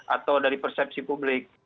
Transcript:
atau dari persepsi publik